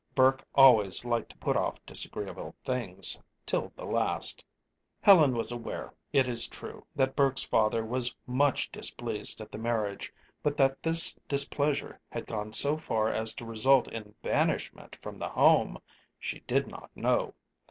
Burke always liked to put off disagreeable things till the last. Helen was aware, it is true, that Burke's father was much displeased at the marriage; but that this displeasure had gone so far as to result in banishment from the home, she did not know.